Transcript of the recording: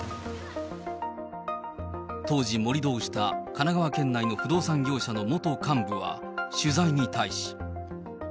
当時、盛り土をした神奈川県内の不動産業者の元幹部は取材に対し。